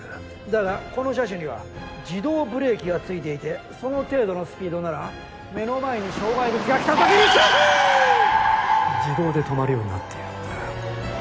だがこの車種には自動ブレーキが付いていてその程度のスピードなら目の前に障害物が来たときにキキーッ自動で止まるようになっているんだよ。